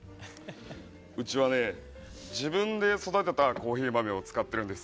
うちはね、自分で育てたコーヒー豆を使ってるんです。